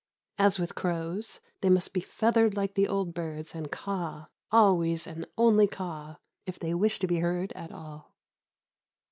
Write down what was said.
As with crows, they must be feathered like the old birds and caw, always and only caw, if they wish to be heard at all.